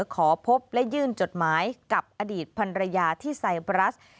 ขอพบและยื่นจดหมายกับอดีตพันรยาที่ไซบรัส